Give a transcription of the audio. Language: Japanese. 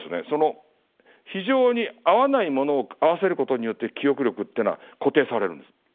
その非常に合わないものを合わせることによって記憶力ってのは固定されるんです。